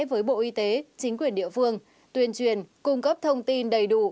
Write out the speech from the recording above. với bộ y tế chính quyền địa phương tuyên truyền cung cấp thông tin đầy đủ